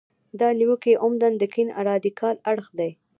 دا نیوکې عمدتاً د کیڼ رادیکال اړخ دي.